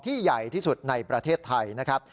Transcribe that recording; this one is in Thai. ใหญ่ที่สุดในประเทศไทยนะครับ